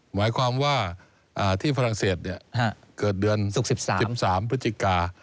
หมายความว่าที่ฝรั่งเศสเนี่ยเกิดเดือน๑๓พฤศจิกา